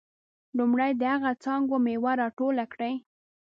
لومړی د هغه څانګو میوه راټوله کړئ.